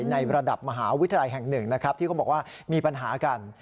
ในระดับมหาวิทยาลัยแห่งหนึ่งนะครับที่เขาบอกว่ามีปัญหากัน